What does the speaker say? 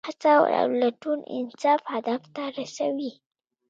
هڅه او لټون انسان هدف ته رسوي.